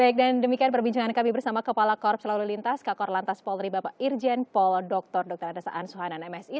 baik dan demikian perbincangan kami bersama kepala korps lalu lintas kak kor lantas polri bapak irjen pol dr dr adhasa ansu